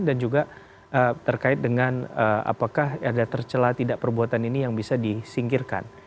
dan juga terkait dengan apakah ada tercela tidak perbuatan ini yang bisa disingkirkan